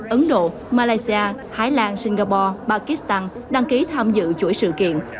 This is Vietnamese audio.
ấn độ malaysia thái lan singapore pakistan đăng ký tham dự chuỗi sự kiện